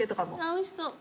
おいしそう。